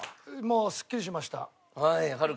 もうすっきりしました。